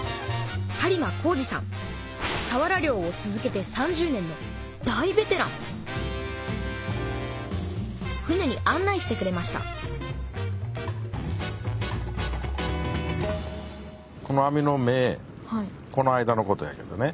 さわら漁を続けて３０年の大ベテラン船に案内してくれましたこの間のことやけどね。